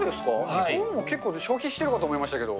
日本も結構消費してるかと思いましたけど。